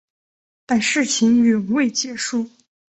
但事情远未结束。